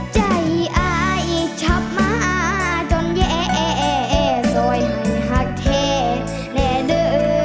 ใจอายชอบมาจนแย่ซอยหักแท้แน่เด้อ